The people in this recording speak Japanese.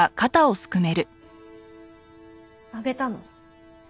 あげたの。